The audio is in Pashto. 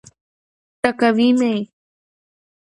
ټکوي مي.